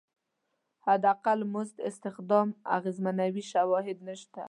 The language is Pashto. حداقل مزد استخدام اغېزمنوي شواهد نشته.